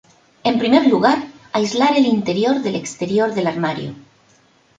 En primer lugar aislar el interior del exterior del armario.